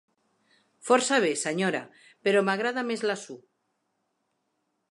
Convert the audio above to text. Força bé, senyora; però m'agrada més la Sue.